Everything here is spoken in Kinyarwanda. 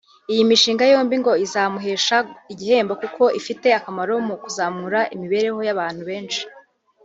Iyi mishinga yombi ngo izamuhesha igihembo kuko ifite akamaro mu kuzamura imibereho y’abantu benshi